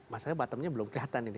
masalah bottomnya belum kelihatan ini